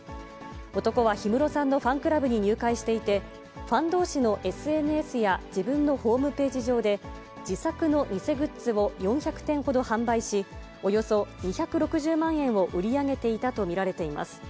男は氷室さんのファンクラブに入会していて、ファンどうしのＳＮＳや自分のホームページ上で、自作の偽グッズを４００点ほど販売し、およそ２６０万円を売り上げていたと見られています。